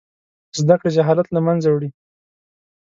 زده کړې جهالت له منځه وړي.